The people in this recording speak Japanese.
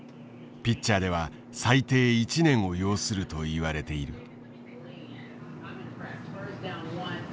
ピッチャーでは最低１年を要するといわれている。